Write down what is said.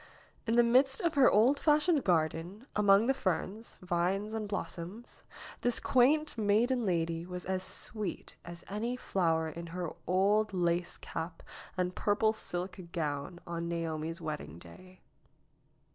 In the midst of her old fashioned garden, among the ferns, vines and blossoms, this quaint maiden lady was as sweet as any flower in her old lace cap and purple silk gown on Naomi's wedding day.